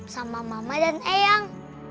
sama mama dan eyang